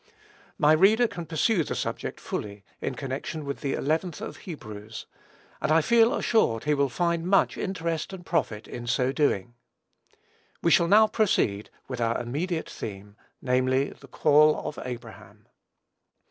My reader can pursue the subject fully, in connection with the eleventh of Hebrews; and I feel assured he will find much interest and profit, in so doing. We shall now proceed with our immediate theme, namely, the call of Abraham.